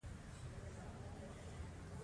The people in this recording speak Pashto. هغوی د آرمان په خوا کې تیرو یادونو خبرې کړې.